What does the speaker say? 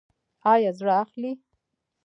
ایا زړه اخلئ؟